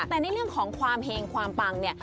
แต่ในเรื่องของความเฮงความปังเนี่ย